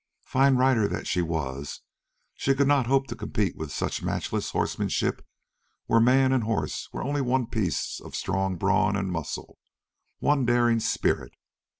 Fine rider that she was, she could not hope to compete with such matchless horsemanship where man and horse were only one piece of strong brawn and muscle, one daring spirit.